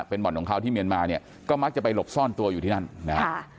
เป็นบ่อนของเขาที่เมียนมาเนี่ยก็มักจะไปหลบซ่อนตัวอยู่ที่นั่นนะฮะ